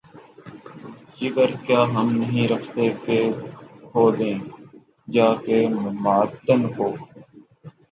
جگر کیا ہم نہیں رکھتے کہ‘ کھودیں جا کے معدن کو؟